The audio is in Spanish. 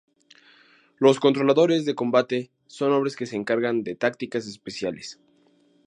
Los controladores de combate son hombres que se encargan de tácticas especiales.